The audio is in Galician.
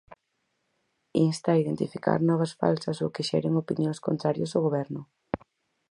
Insta a identificar novas falsas ou que xeren opinións contrarias ao Goberno.